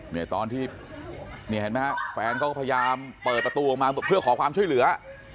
เนี่ยตอนที่แฟนเขาพยายามเปิดประตูมาเพื่อขอความช่วยเหลือ